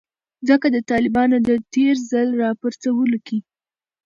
ځکه د طالبانو د تیر ځل راپرځولو کې